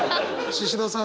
シシドさん